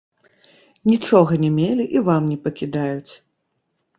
Нічога не мелі і вам не пакідаюць.